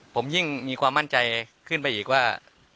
ผมยิ่งมีความมั่นใจขึ้นไปอีกว่า